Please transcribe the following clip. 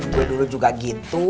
gue dulu juga gitu